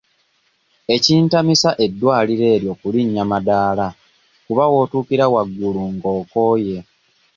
Ekintamisa eddwaliro eryo kulinnya madaala kuba w'otuukira waggulu ng'okooye.